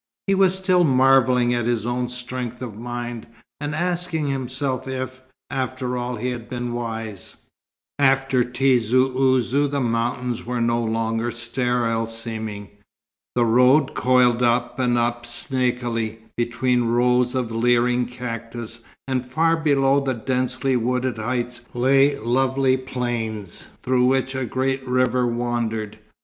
He was still marvelling at his own strength of mind, and asking himself if, after all, he had been wise. After Tizi Ouzou the mountains were no longer sterile seeming. The road coiled up and up snakily, between rows of leering cactus; and far below the densely wooded heights lay lovely plains through which a great river wandered.